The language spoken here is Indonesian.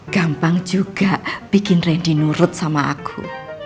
gampang juga bikin ready nurut sama aku